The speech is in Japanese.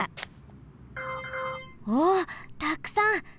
おったくさん。